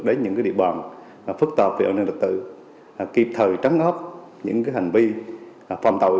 đến những địa bàn phức tạp về an ninh đặc tự kịp thời trắng ngót những hành vi phạm tội